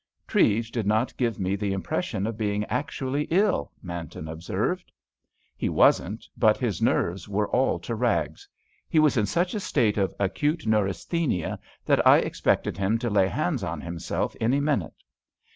"Treves did not give me the impression of being actually ill," Manton observed. "He wasn't, but his nerves were all to rags. He was in such a state of acute neurasthenia that I expected him to lay hands on himself any minute.